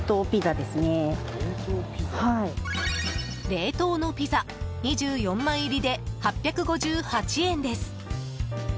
冷凍のピザ２４枚入りで８５８円です。